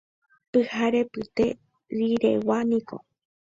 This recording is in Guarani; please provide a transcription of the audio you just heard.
Pyharepyte riregua niko.